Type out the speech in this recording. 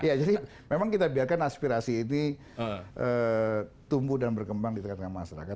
ya jadi memang kita biarkan aspirasi ini tumbuh dan berkembang di tengah tengah masyarakat